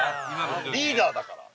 リーダーだから。